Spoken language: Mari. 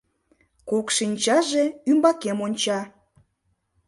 Кок шинчаже ӱмбакем онча.